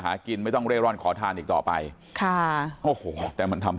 หากินไม่ต้องเร่ร่อนขอทานอีกต่อไปค่ะโอ้โหแต่มันทำให้